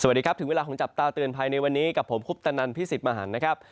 สวัสดีครับถึงเวลาของจับตาเตือนภัยในวันนี้กับผมคุปตนันพี่สิทธิ์มหันนะครับ